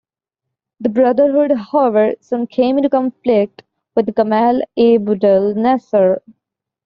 The Brotherhood, however, soon came into conflict with Gamal Abdel Nasser.